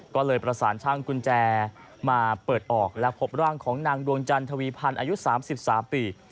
ก็เลยประสานช่างกุญแจมาเปิดออกและพบร่างของนางดวงจันทวีพันธ์อายุ๓๓ปี